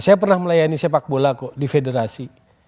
saya pernah melayani sepak bola kok di federasi